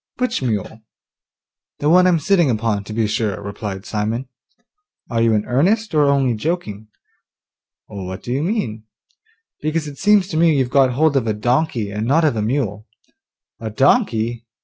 'Which mule?' 'The one I'm sitting upon, to be sure,' replied Simon. 'Are you in earnest, or only joking?' 'What do you mean?' 'Because it seems to me you've got hold of a donkey, and not of a mule.' 'A donkey?